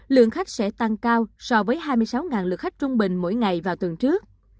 lượng khách sẽ tăng cao so với hai mươi sáu lượt khách trung bình mỗi ngày vào tuần trước